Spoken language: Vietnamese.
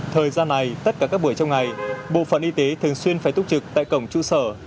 thời gian này tất cả các buổi trong ngày bộ phận y tế thường xuyên phải túc trực tại cổng trụ sở